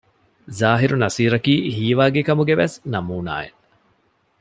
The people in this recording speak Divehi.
ޒާހިރު ނަޞީރަކީ ހީވާގި ކަމުގެވެސް ނަމޫނާއެއް